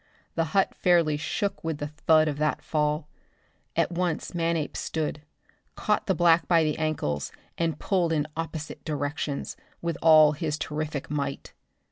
The hut fairly shook with the thud of that fall. At once Manape stooped, caught the black by the ankles and pulled in opposite direction with all his terrific might.